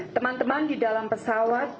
teman teman di dalam pesawat